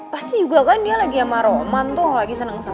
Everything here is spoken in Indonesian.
pasti juga kan dia lagi sama roman tuh lagi seneng sama